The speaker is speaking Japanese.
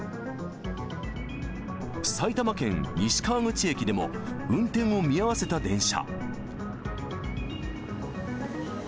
埼玉県西川口駅でも運転を見合わせた電車。